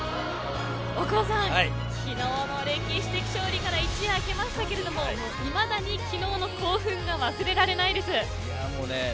大久保さん、昨日の歴史的勝利から一夜明けましたけれどもいまだに昨日の興奮が忘れられないです。